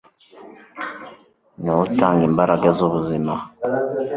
ni wo utanga imbaraga z’ubuzima